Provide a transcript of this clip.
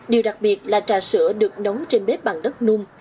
điều đặc biệt là trà sữa được nấu trên bếp bằng đất nung